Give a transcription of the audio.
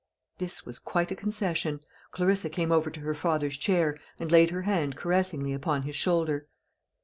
This was quite a concession. Clarissa came over to her father's chair, and laid her hand caressingly upon his shoulder.